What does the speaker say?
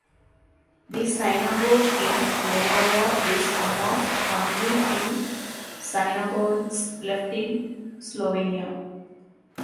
The synagogue in Lendava is one of only two synagogues left in Slovenia.